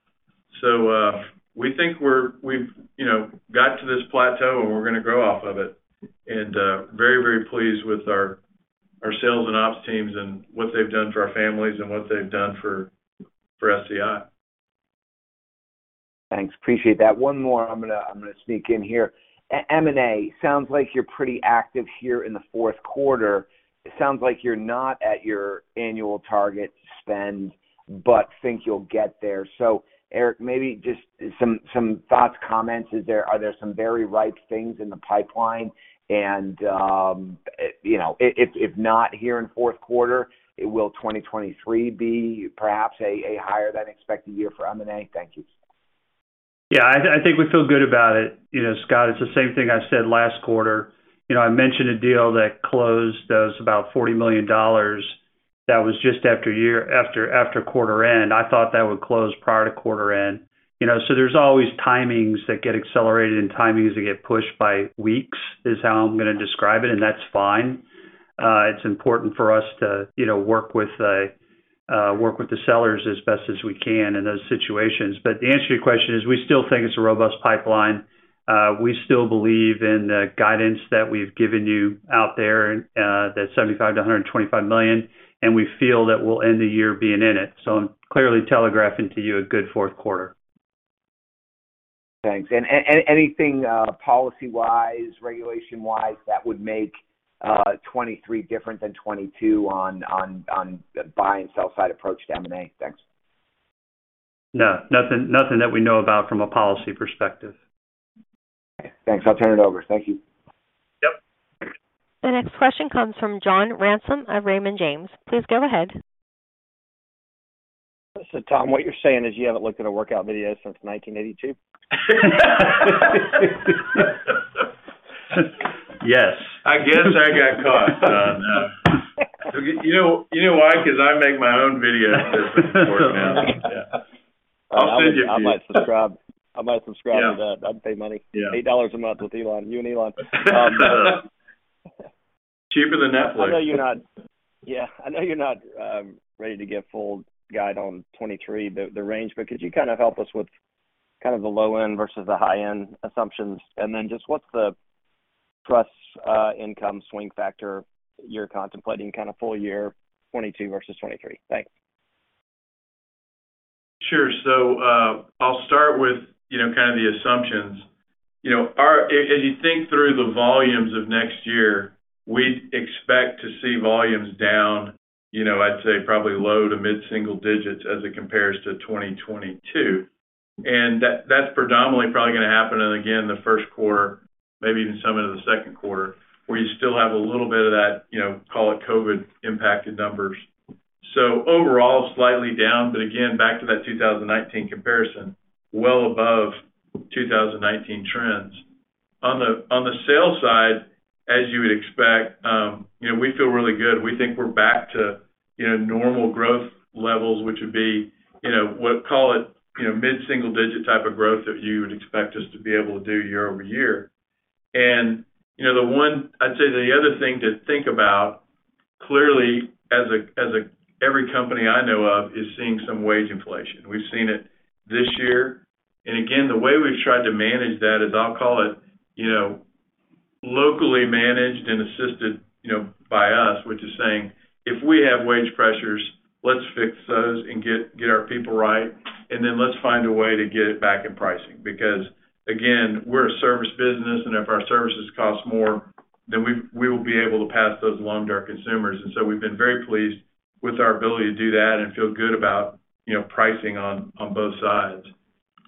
So we think we've, you know, got to this plateau, and we're gonna grow off of it. Very pleased with our sales and ops teams and what they've done for our families and what they've done for SCI. Thanks. Appreciate that. One more I'm gonna sneak in here. M&A. Sounds like you're pretty active here in the fourth quarter. It sounds like you're not at your annual target spend, but think you'll get there. Eric, maybe just some thoughts, comments. Are there some very ripe things in the pipeline? You know, if not here in fourth quarter, will 2023 be perhaps a higher than expected year for M&A? Thank you. Yeah, I think we feel good about it. You know, Scott, it's the same thing I said last quarter. You know, I mentioned a deal that closed that was about $40 million. That was just after quarter end. I thought that would close prior to quarter end. You know, so there's always timings that get accelerated and timings that get pushed by weeks, is how I'm gonna describe it, and that's fine. It's important for us to, you know, work with the sellers as best as we can in those situations. But to answer your question is we still think it's a robust pipeline. We still believe in the guidance that we've given you out there, that $75 million-$125 million, and we feel that we'll end the year being in it. I'm clearly telegraphing to you a good fourth quarter. Thanks. Anything, policy-wise, regulation-wise that would make 2023 different than 2022 on the buy and sell side approach to M&A? Thanks. No. Nothing, nothing that we know about from a policy perspective. Okay. Thanks. I'll turn it over. Thank you. Yep. The next question comes from John Ransom of Raymond James. Please go ahead. Thomas, what you're saying is you haven't looked at a workout video since 1982? Yes. I guess I got caught on that. You know why? 'Cause I make my own videos. I'll send you a few. I might subscribe. I might subscribe to that. Yeah. I'd pay money. Yeah. $8 a month with Elon, you and Elon. Cheaper than Netflix. I know you're not ready to give full guidance on 2023, the range, but could you kind of help us with kind of the low end versus the high end assumptions? Just what's the trust income swing factor you're contemplating kind of full year 2022 versus 2023? Thanks. Sure. I'll start with, you know, kind of the assumptions. You know, as you think through the volumes of next year, we expect to see volumes down, you know, I'd say probably low- to mid-single digits% as it compares to 2022. That that's predominantly probably gonna happen in, again, the first quarter, maybe even some into the second quarter, where you still have a little bit of that, you know, call it COVID-19-impacted numbers. Overall, slightly down, but again, back to that 2019 comparison, well above 2019 trends. On the sales side, as you would expect, you know, we feel really good. We think we're back to, you know, normal growth levels, which would be, you know, we'll call it, you know, mid-single-digit type of growth if you would expect us to be able to do year-over-year. You know, I'd say the other thing to think about, clearly as every company I know of is seeing some wage inflation. We've seen it this year. Again, the way we've tried to manage that is I'll call it, you know, locally managed and assisted, you know, by us, which is saying, if we have wage pressures, let's fix those and get our people right, and then let's find a way to get it back in pricing. Because, again, we're a service business, and if our services cost more, then we will be able to pass those along to our consumers. We've been very pleased with our ability to do that and feel good about, you know, pricing on both sides.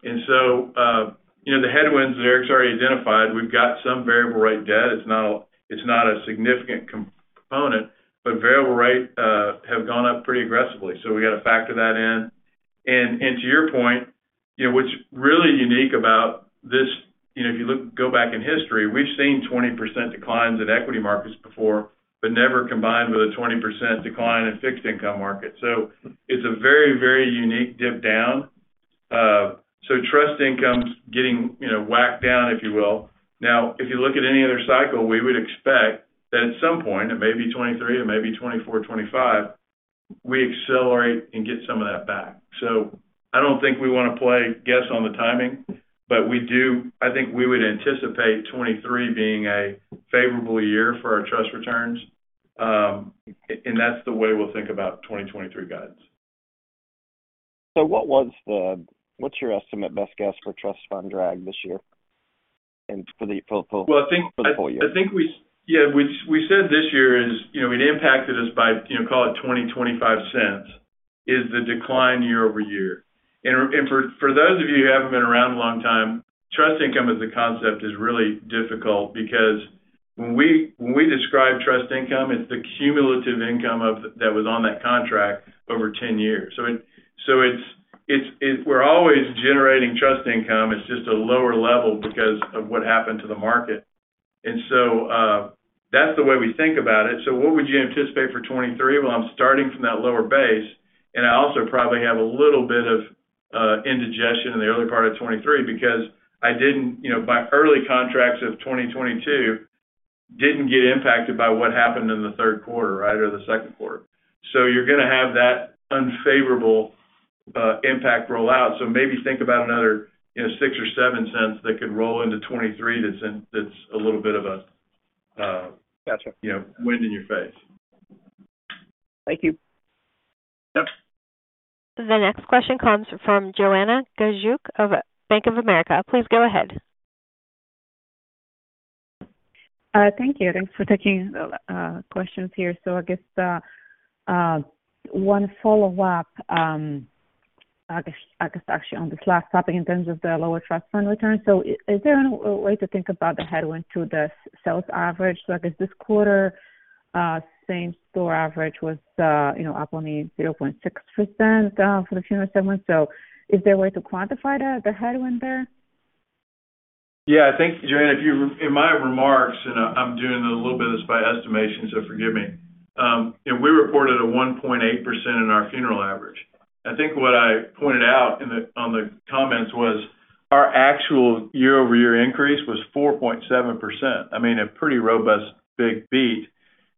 You know, the headwinds Eric's already identified. We've got some variable rate debt. It's not a significant component, but variable rate have gone up pretty aggressively. We got to factor that in. To your point, you know, what's really unique about this, you know, if you look, go back in history, we've seen 20% declines in equity markets before, but never combined with a 20% decline in fixed income markets. It's a very, very unique dip down. Trust income's getting, you know, whacked down, if you will. Now, if you look at any other cycle, we would expect that at some point, it may be 2023, it may be 2024, 2025, we accelerate and get some of that back. I don't think we wanna play guess on the timing, but we do, I think we would anticipate 2023 being a favorable year for our trust returns, and that's the way we'll think about 2023 guidance. What's your estimate best guess for trust fund drag this year and for the? Well, I think. For the full year. I think we said this year is, you know, it impacted us by, you know, call it $0.20-$0.25, is the decline year-over-year. For those of you who haven't been around a long time, trust income as a concept is really difficult because when we describe trust income, it's the cumulative income that was on that contract over 10 years. We're always generating trust income. It's just a lower level because of what happened to the market. That's the way we think about it. What would you anticipate for 2023? Well, I'm starting from that lower base, and I also probably have a little bit of indigestion in the early part of 2023 because I didn't, you know, my early contracts of 2022 didn't get impacted by what happened in the third quarter, right, or the second quarter. You're gonna have that unfavorable impact roll out. Maybe think about another, you know, $0.06-$0.07 that could roll into 2023 that's a little bit of a Gotcha. You know, wind in your face. Thank you. Yep. The next question comes from Joanna Gajuk of Bank of America. Please go ahead. Thank you. Thanks for taking the questions here. I guess one follow-up, I guess actually on this last topic in terms of the lower trust fund returns. Is there a way to think about the headwind to the sales average? Like, is this quarter Same store average was, you know, up only 0.6%, for the funeral segment. Is there a way to quantify the headwind there? Yeah. Thank you, Joanna. In my remarks, I'm doing a little bit of this by estimation, so forgive me. You know, we reported a 1.8% in our funeral average. I think what I pointed out on the comments was our actual year-over-year increase was 4.7%. I mean, a pretty robust big beat.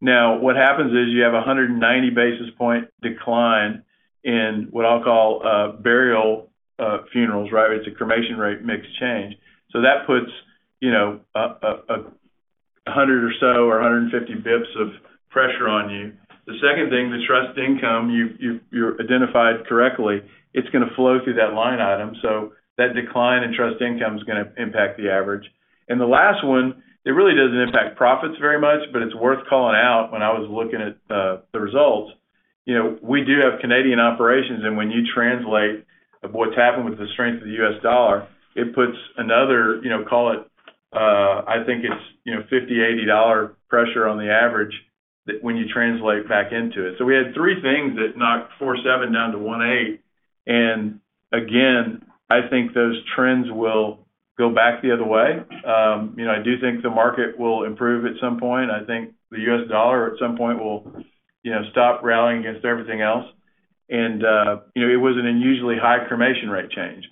Now, what happens is you have a 190 basis point decline in what I'll call burial funerals, right? It's a cremation rate mix change. So that puts, you know, a hundred or so or 150 basis points of pressure on you. The second thing, the trust income, you identified correctly, it's gonna flow through that line item. So that decline in trust income is gonna impact the average. The last one, it really doesn't impact profits very much, but it's worth calling out when I was looking at the results. You know, we do have Canadian operations, and the translation of what's happened with the strength of the US dollar, it puts another, you know, call it, I think it's, you know, $50-$80 pressure on the average that when you translate back into it. We had three things that knocked 47 down to 18. Again, I think those trends will go back the other way. You know, I do think the market will improve at some point. I think the US dollar at some point will, you know, stop rallying against everything else. You know, it was an unusually high cremation rate change.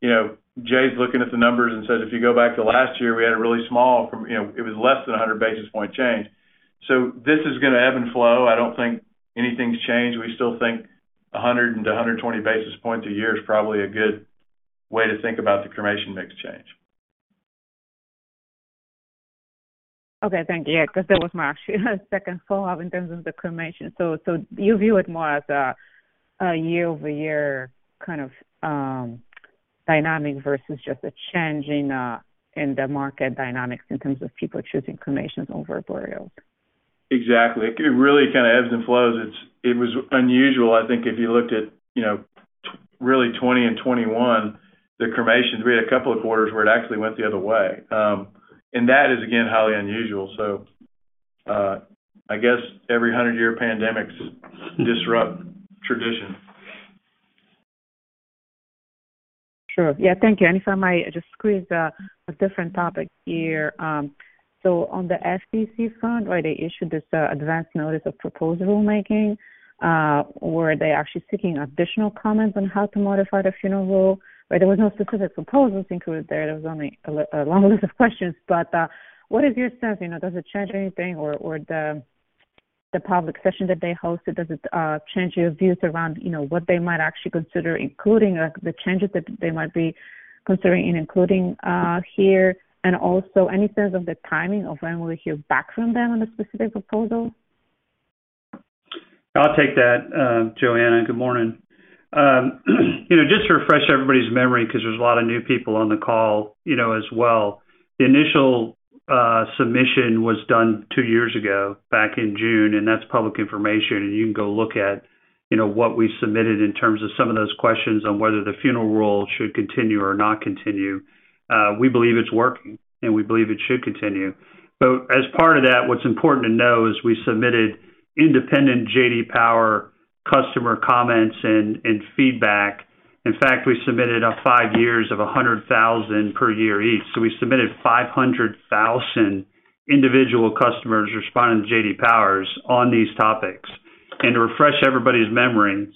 You know, Jay's looking at the numbers and says, if you go back to last year, we had a really small. You know, it was less than 100 basis point change. This is gonna ebb and flow. I don't think anything's changed. We still think 100-120 basis point a year is probably a good way to think about the cremation mix change. Okay. Thank you. Yeah. 'Cause that was my actually second follow-up in terms of the cremation. You view it more as a year-over-year kind of dynamic versus just a change in the market dynamics in terms of people choosing cremations over burials. Exactly. It really kinda ebbs and flows. It was unusual. I think if you looked at, you know, really 2020 and 2021, the cremations, we had a couple of quarters where it actually went the other way. That is again, highly unusual. I guess every hundred-year pandemics disrupt tradition. Sure. Yeah, thank you. If I might just squeeze a different topic here. So on the FTC front, where they issued this Advance Notice of Proposed Rulemaking, were they actually seeking additional comments on how to modify the Funeral Rule? Or there was no specific proposals included there. There was only a long list of questions. What is your sense? You know, does it change anything or the public session that they hosted, does it change your views around, you know, what they might actually consider including or the changes that they might be considering in including here? Also any sense of the timing of when we'll hear back from them on the specific proposal? I'll take that, Joanna Gajuk. Good morning. You know, just to refresh everybody's memory because there's a lot of new people on the call, you know, as well. The initial submission was done two years ago, back in June, and that's public information, and you can go look at, you know, what we submitted in terms of some of those questions on whether the Funeral Rule should continue or not continue. We believe it's working, and we believe it should continue. As part of that, what's important to know is we submitted independent J.D. Power cusThomaser comments and feedback. In fact, we submitted five years of 100,000 per year each. So we submitted 500,000 individual cusThomasers responding to J.D. Power on these topics. To refresh everybody's memory,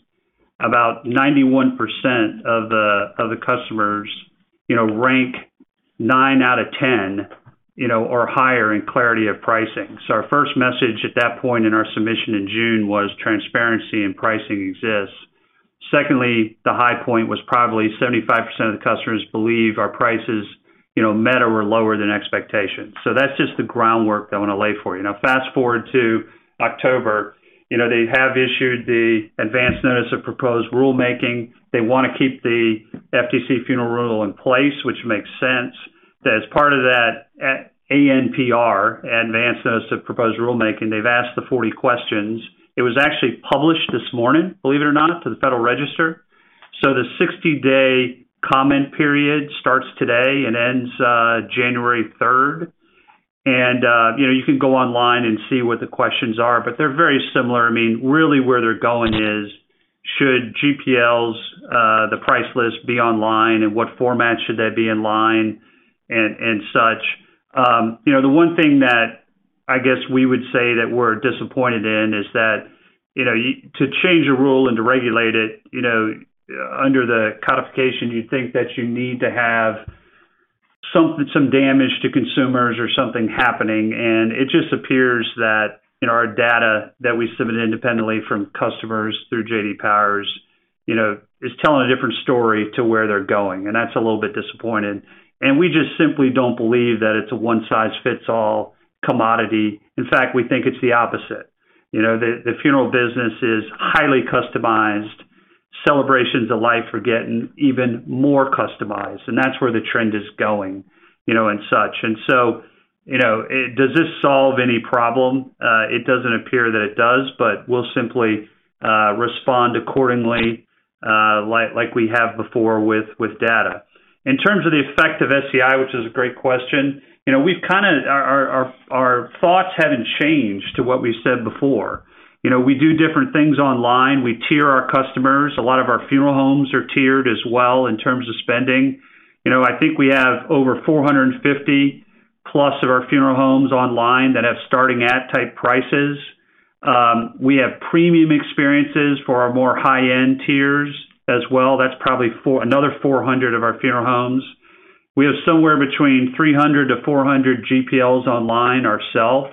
about 91% of the cusThomasers, you know, rank nine out of ten, you know, or higher in clarity of pricing. Our first message at that point in our submission in June was transparency in pricing exists. Secondly, the high point was probably 75% of the cusThomasers believe our prices, you know, met or were lower than expectations. That's just the groundwork that I want to lay for you. Now fast-forward to October, you know, they have issued the advance notice of proposed rulemaking. They want to keep the FTC Funeral Rule in place, which makes sense. That, as part of that ANPR, advance notice of proposed rulemaking, they've asked 40 questions. It was actually published this morning, believe it or not, in the Federal Register. The 60-day comment period starts today and ends January third. You know, you can go online and see what the questions are, but they're very similar. I mean, really where they're going is should GPLs, the price list be online and what format should they be online and such. You know, the one thing that I guess we would say that we're disappointed in is that, you know, to change a rule and to regulate it, you know, under the codification, you think that you need to have some damage to consumers or something happening. It just appears that, you know, our data that we submitted independently from cusThomasers through J.D. Power, you know, is telling a different story than where they're going, and that's a little bit disappointing. We just simply don't believe that it's a one-size-fits-all commodity. In fact, we think it's the opposite. You know, the funeral business is highly cusThomasized. Celebrations of life are getting even more cusThomasized, and that's where the trend is going, you know, and such. You know, does this solve any problem? It doesn't appear that it does, but we'll simply respond accordingly. Like we have before with data. In terms of the effect of SCI, which is a great question, you know, we've kinda our thoughts haven't changed to what we've said before. You know, we do different things online. We tier our cusThomasers. A lot of our funeral homes are tiered as well in terms of spending. You know, I think we have over 450 plus of our funeral homes online that have starting at type prices. We have premium experiences for our more high-end tiers as well. That's probably another 400 of our funeral homes. We have somewhere between 300-400 GPLs online ourselves.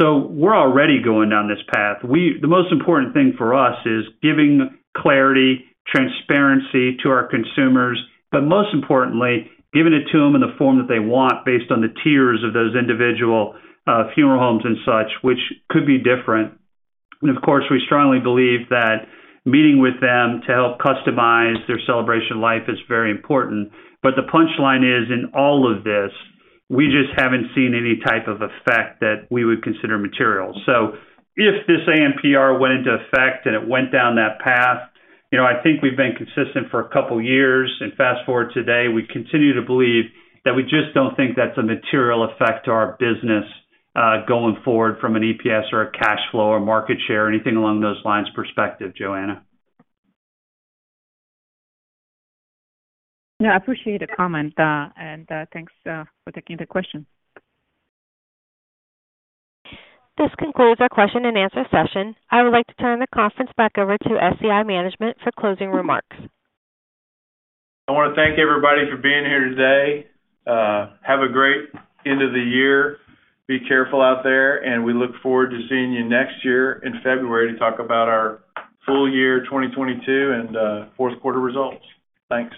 We're already going down this path. The most important thing for us is giving clarity, transparency to our consumers, but most importantly, giving it to them in the form that they want based on the tiers of those individual funeral homes and such, which could be different. Of course, we strongly believe that meeting with them to help cusThomasize their celebration of life is very important. The punch line is, in all of this, we just haven't seen any type of effect that we would consider material. If this ANPR went into effect and it went down that path, you know, I think we've been consistent for a couple years, and fast-forward today, we continue to believe that we just don't think that's a material effect to our business, going forward from an EPS or a cash flow or market share, anything along those lines perspective, Joanna Gajuk. No, I appreciate the comment, and thanks for taking the question. This concludes our question and answer session. I would like to turn the conference back over to SCI management for closing remarks. I wanna thank everybody for being here today. Have a great end of the year. Be careful out there, and we look forward to seeing you next year in February to talk about our full year, 2022, and fourth quarter results. Thanks.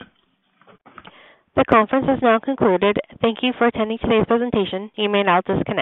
The conference has now concluded. Thank you for attending today's presentation. You may now disconnect.